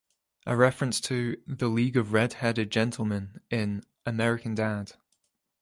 A reference to "The League of Red-Headed Gentleman" in "American Dad!